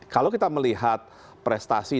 kalau kita melihat prestasi